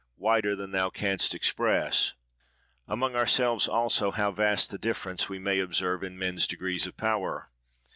—Wider than thou canst express. "Among ourselves also, how vast the difference we may observe in men's degrees of power!